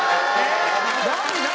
何何？